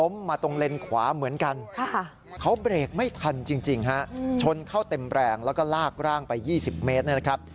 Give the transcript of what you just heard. ๑๐เมตรนะครับ